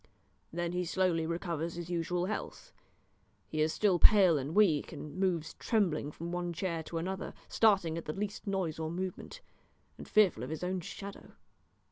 Then he slowly recovers his usual health. He is still pale and weak, and moves trembling from one chair to another, starting at the least noise or movement, and fearful of his own shadow.